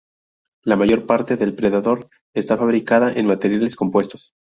La mayor parte del Predator está fabricada en materiales compuestos.